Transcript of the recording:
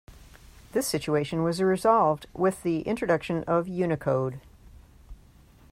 This situation was resolved with the introduction of Unicode.